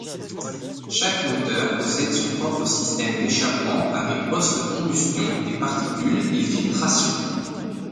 Chaque moteur possède son propre système d'échappement avec post-combustion des particules et filtration.